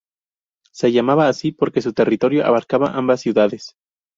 Se llamaba así, porque su territorio abarcaba ambas ciudades.